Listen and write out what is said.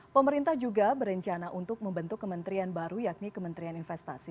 pemerintah juga berencana untuk membentuk kementerian baru yakni kementerian investasi